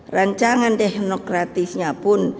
rancangan teknokratisnya pun